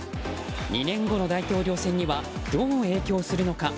２年後の大統領選にはどう影響するのか。